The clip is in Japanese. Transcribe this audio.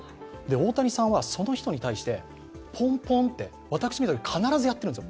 大谷さんはその人に対して、ポンポンと私が見たとき、必ずやってるんですよ。